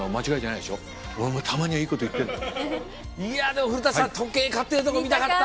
でも古さん時計買ってるとこ見たかった。